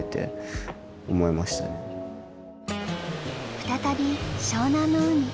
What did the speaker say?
再び湘南の海。